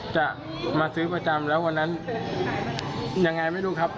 จะมาซื้อประจำแล้ววันนั้นยังไงไม่รู้ครับ